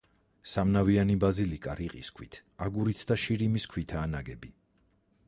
სამნავიანი ბაზილიკა რიყის ქვით, აგურით და შირიმის ქვითაა ნაგები.